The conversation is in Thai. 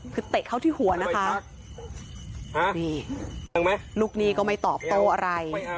คือเตะเข้าที่หัวนะคะนี่ลูกหนี้ก็ไม่ตอบโต้อะไร